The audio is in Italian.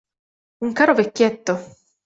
Un caro vecchietto.